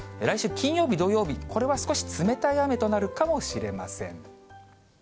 来週金曜日、土曜日、これは少し冷たい雨となるかもしれません。